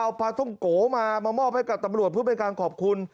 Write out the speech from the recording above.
เอาปลาท่องโกมามามอบให้กับตำรวจเพื่อเป็นการขอบคุณ